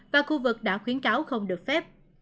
và khu vực đã khuyến cáo không được phép